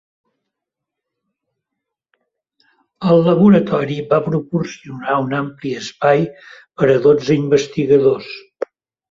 El laboratori va proporcionar un ampli espai per a dotze investigadors.